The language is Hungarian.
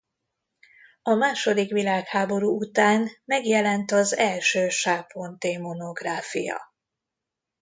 A második világháború után megjelent az első Charpentier-monográfia.